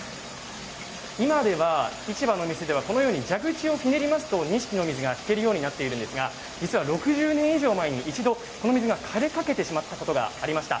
今では市場の店では蛇口をひねりますと錦の水を引けるようになっているんですが実は６０年以上前に一度この水がかれかけてしまったことがありました。